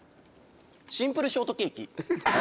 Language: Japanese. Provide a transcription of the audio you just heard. シンプルショートケーキ。